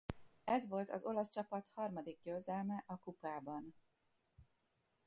Ez volt az olasz csapat harmadik győzelme az kupában.